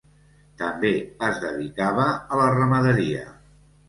També es dedicava a la ramaderia.